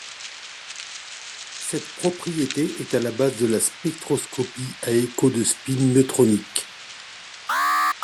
Cette propriété est à la base de la spectroscopie à écho de spin neutronique.